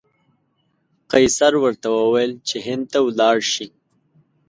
قیصر ورته وویل چې هند ته ولاړ شي.